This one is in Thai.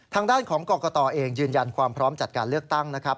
ทางด้านของกรกตเองยืนยันความพร้อมจัดการเลือกตั้งนะครับ